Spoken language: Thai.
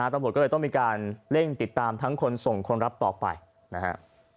ตำรวจก็เลยต้องมีการเร่งติดตามทั้งคนส่งคนรับต่อไปนะฮะ